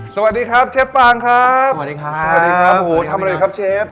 สวัสดีครับโหทำอะไรครับเชฟ